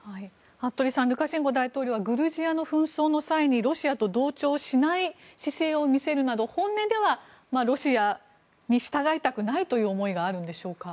服部さんルカシェンコ大統領グルジアの紛争の際にロシアと同調しない姿勢を見せるなど、本音ではロシアに従いたくないという思いがあるんでしょうか。